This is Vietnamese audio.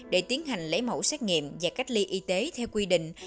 để tiến hành lấy mẫu xét nghiệm và cách ly y tế theo quy định